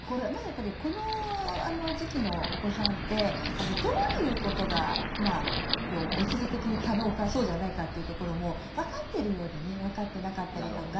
この時期のお子さんってどういうことがまあ物理的に可能かそうじゃないかっていうところもわかってるようでねわかってなかったりとか。